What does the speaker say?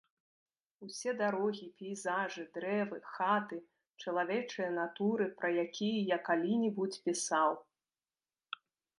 Усе дарогі, пейзажы, дрэвы, хаты, чалавечыя натуры, пра якія я калі-небудзь пісаў.